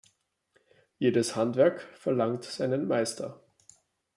Jedes Handwerk verlangt seinen Meister.